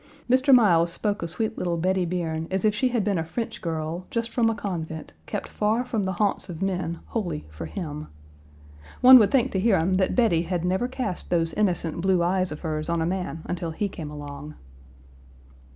Mr. Miles spoke of sweet little Bettie Bierne as if she had been a French girl, just from a convent, kept far from the haunts of men wholly for him. One would think to hear him that Bettie had never cast those innocent blue eyes of hers on a man until he came along.